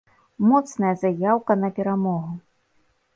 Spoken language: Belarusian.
Моцная заяўка на перамогу!